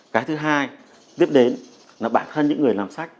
cái thứ hai tiếp đến là bản thân những người làm sách